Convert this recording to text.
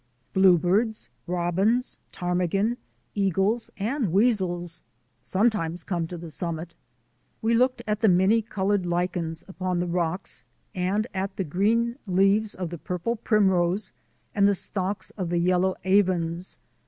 Blue birds, robins, ptarmigan, eagles, and weasels sometimes come to the summit. We looked at the many coloured lichens upon the 2 3 8 THE ADVENTURES OF A NATURE GUIDE rocks and at the green leaves of the purple primrose and the stalks of the yellow avens.